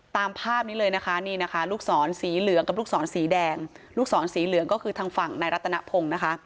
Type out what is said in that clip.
ตามภาพนี้เลยนะคะนี่นะคะลูกศรสีเหลืองกับลูกศรสีแดงลูกศรสีเหลืองก็คือทางฝั่งนายรัตนพงศ์นะคะ